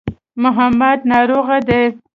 محمد ناروغه دی.